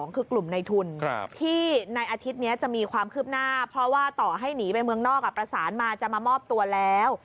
คือกลุ่มในทุนที่ในอาทิตย์จะมีความคืบหน้าประสานจะมามอบตัวแล้ว